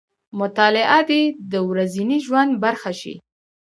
مطالعه دې د ورځني ژوند برخه شي.